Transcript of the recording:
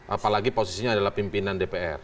apalagi posisinya adalah pimpinan dpr